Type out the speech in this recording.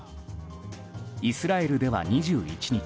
イスラエルでは２１日